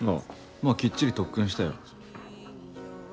まぁきっちり特訓したよ。